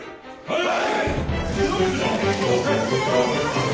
はい！